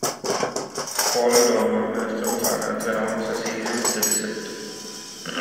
Paul Doumer, minister for finance, announced a serious deficit.